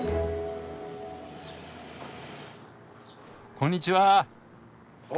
こんにちは。